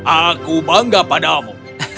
aku bangga padamu